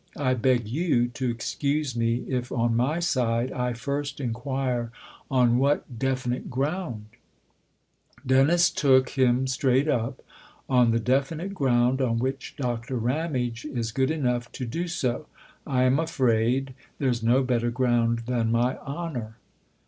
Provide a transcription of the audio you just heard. I beg you to excuse me if on my side I first inquire on what definite ground ?" Dennis took him straight up. " On the definite ground on which Doctor Ramage is good enough to THE OTHER HOUSE 295 * do so. I'm afraid there's no better ground than my honour."